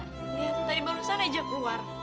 lihat tadi barusan ajak keluar